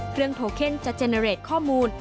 เครื่องโทเคนจะเจนเวร์เรทข้อมูล